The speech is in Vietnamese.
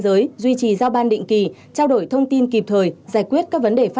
với các phòng trào thi đua